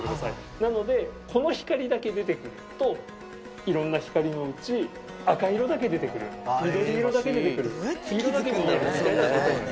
なのでこの光だけ出て来るといろんな光のうち赤色だけ出て来る緑色だけ出て来る黄色だけ出て来る。